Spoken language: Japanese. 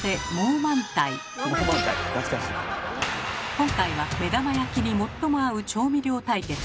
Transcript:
今回は目玉焼きに最も合う調味料対決。